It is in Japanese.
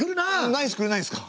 ナイスくれないんですか？